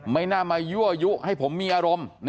ไม่น่ามายั่วยุให้ผมมีอารมณ์